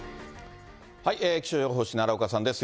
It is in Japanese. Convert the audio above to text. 気象予報士、奈良岡さんです。